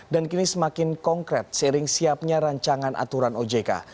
dan kini semakin konkret seiring siapnya rancangan aturan ojk